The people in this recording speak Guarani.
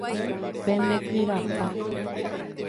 Pendekyrapa.